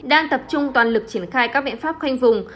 đang tập trung toàn lực triển khai các biện pháp khoanh vùng